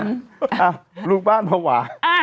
อ่ะลูกบ้านพระหวา